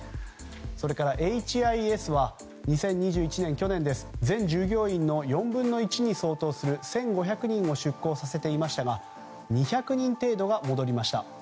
それからＨＩＳは２０２１年去年、全従業員の４分の１に相当する１５００人を出向させていましたが２００人程度が戻りました。